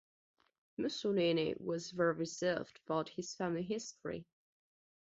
Mussolini was very reserved about his family history.